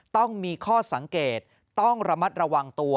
ต้องมีข้อสังเกตต้องระมัดระวังตัว